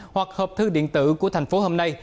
hoặc hợp thư điện tử của thành phố hôm nay